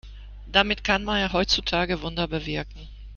Damit kann man ja heutzutage Wunder bewirken.